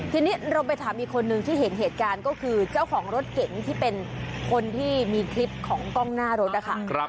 ทีนี้เราไปถามอีกคนนึงที่เห็นเหตุการณ์ก็คือเจ้าของรถเก๋งที่เป็นคนที่มีคลิปของกล้องหน้ารถนะคะ